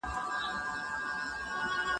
کتابتون ته لاړ شه او هلته خپله څېړنه پیل کړه.